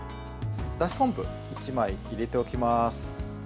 だし昆布１枚入れておきます。